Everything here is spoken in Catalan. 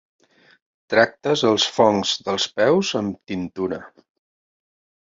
Tractes els fongs dels peus amb tintura.